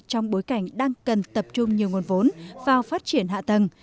trong bối cảnh đang cần tập trung nhiều nguồn vốn vào phát triển hạ tầng